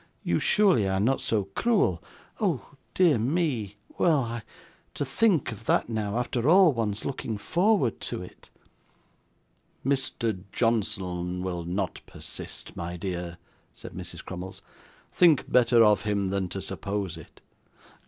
'You surely are not so cruel oh, dear me! Well, I to think of that now, after all one's looking forward to it!' 'Mr. Johnson will not persist, my dear,' said Mrs. Crummles. 'Think better of him than to suppose it.